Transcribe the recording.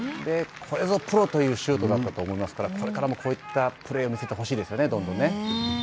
これぞプロというシュートだったと思いますからこれからもこういったプレーを見せてほしいですよねどんどんね。